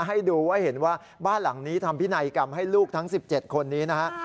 ให้ดูให้เห็นว่าบ้านหลังนี้ทำพินัยกรรมให้ลูกทั้ง๑๗คนนี้นะฮะ